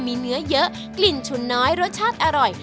มีเนื้อเยอะกลิ่นฉุนน้อยรสชาติอร่อย